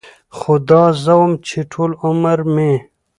خو دا زه وم چې ټول عمر مې